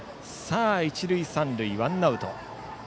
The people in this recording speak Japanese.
一塁三塁でワンアウト。